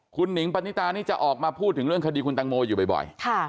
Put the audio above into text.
คุณหนิงปณิตานี่จะออกมาพูดถึงเรื่องคดีคุณตังโมอยู่บ่อย